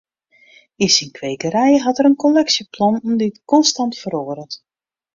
Yn syn kwekerij hat er in kolleksje planten dy't konstant feroaret.